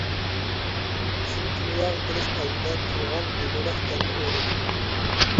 سېنى، دۇنياغا كېلىش ئالدىدا تۇرغان بىگۇناھ جاننى ئويلىدىم.